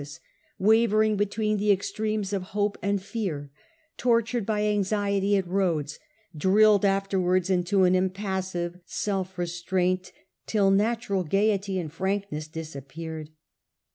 s he wavcring between the extremes of hope and iTa school tortured by anxiety at Rhodes, drilled of ngid^self^ afterwards into an impassive self restraint, dissimuia till natural gaiety and frankness disappeared.